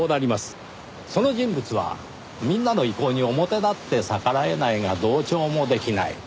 その人物はみんなの意向に表立って逆らえないが同調もできない。